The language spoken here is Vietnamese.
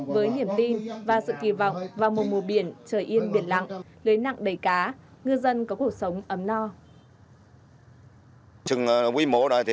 với niềm tin và sự kỳ vọng vào mùa biển trời yên biển lặng lấy nặng đầy cá ngư dân có cuộc sống ấm no